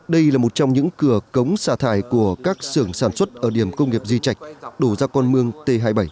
đây là một trong những cửa cống xả thải của các xưởng sản xuất ở điểm công nghiệp di chạch đổ ra con mương t hai mươi bảy